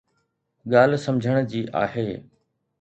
ڳالهه سمجھڻ جي آهي.